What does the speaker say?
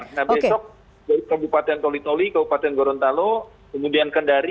nah besok dari kabupaten tolitoli kabupaten gorontalo kemudian kendari